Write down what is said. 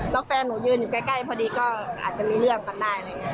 แล้วแฟนหนูยืนอยู่ใกล้พอดีก็อาจจะมีเรื่องกันได้